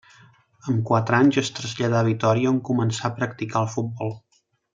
Amb quatre anys es traslladà a Vitòria, on començà a practicar el futbol.